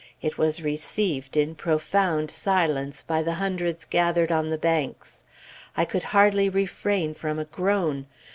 It was received in profound silence, by the hundreds gathered on the banks. I could hardly refrain from a groan.